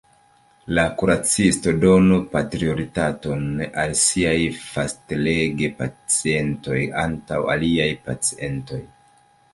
La kuracistoj donu prioritaton al siaj fastlege-pacientoj antaŭ aliaj pacientoj.